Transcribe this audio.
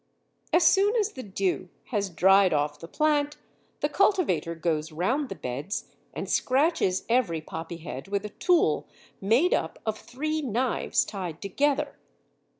As soon as the dew has dried off the plant, the cultivator goes round the beds and scratches every poppy head with a tool made up of three knives tied together.